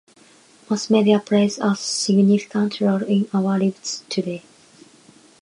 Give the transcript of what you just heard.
Mass media plays a significant role in our lives today.